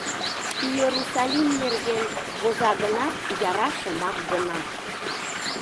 Иерусалим нерген воза гынат, яра шомак гына.